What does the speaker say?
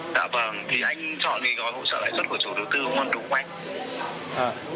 dạ vâng thì anh chọn gói hộ sở lãi xuất của chủ đầu tư ngon đúng không anh